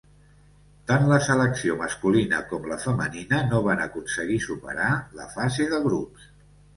Tant la selecció masculina com la femenina no van aconseguir superar la fase de grups.